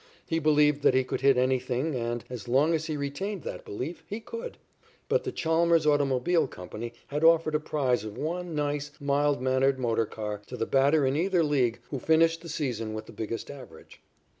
He believed that he could hit anything and, as long as he retained that belief, he could. But the Chalmers Automobile Company had offered a prize of one nice, mild mannered motor car to the batter in either league who finished the season with the biggest average.